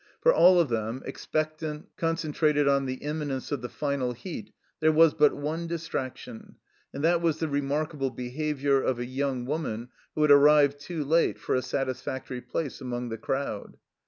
For all of them, e3cpectant, concen trated on the imminence of the Final Heat, there was but one distraction, and that was the remarkable behavior of a young woman who had arrived too late for a satisfactory place among the crowd.